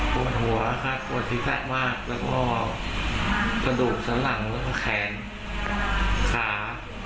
ปวดหัวห้าปวดศีรษะมากแล้วก็กระดูกสันหลังแล้วก็แขนขา